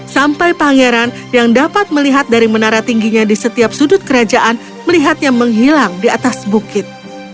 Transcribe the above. sampai pangeran yang dapat melihat dari menara tingginya di setiap sudut kerajaan melihatnya menghilang di atas bukit